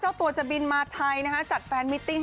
เจ้าตัวจะบินมาไทยนะฮะจัดแฟนมิตติ้ง